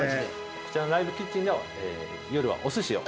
こちらのライブキッチンでは夜はおすしを。